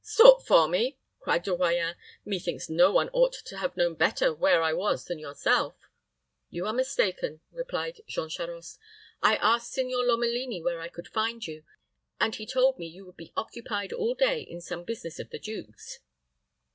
"Sought for me!" cried De Royans. "Methinks no one ought to have known better where I was than yourself." "You are mistaken," replied Jean Charost. "I asked Signor Lomelini where I could find you, and he told me you would be occupied all day in some business of the duke's."